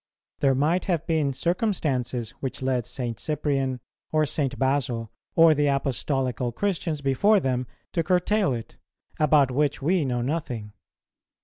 There might have been circumstances which led St. Cyprian, or St. Basil, or the Apostolical Christians before them to curtail it, about which we know nothing.